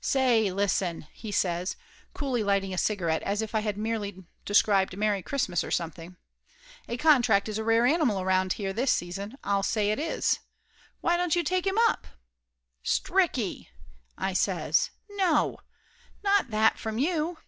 "Say listen!" he says, coolly lighting a cigarette as if I had merely described Merry Christmas or something. "A contract is a rare animal around here this season I'll say it is! Why don't you take him up?" "Stricky !" I says. "No ! Not that from you